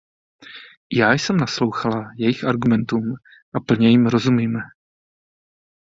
I já jsem naslouchala jejich argumentům a plně jim rozumím.